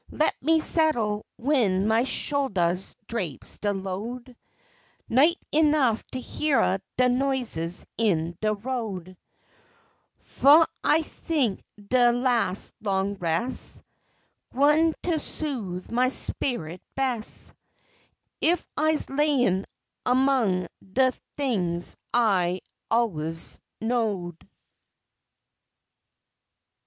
Let me settle w'en my shouldahs draps dey load Nigh enough to hyeah de noises in de road; Fu' I t'ink de las' long res' Gwine to soothe my sperrit bes' If I's layin' 'mong de t'ings I's allus knowed.